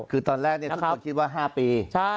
คือตอนแรกทุกคนคิดว่า๕ปี